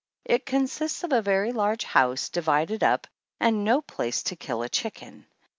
It consists of a very large house, divided up, and no place to kill a chicken.